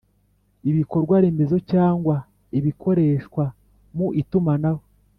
ibikorwaremezo cyangwa ibikoreshwa mu itumanaho